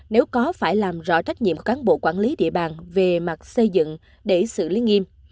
nếu có phải làm rõ trách nhiệm cán bộ quản lý địa bàn về mặt xây dựng để xử lý nghiêm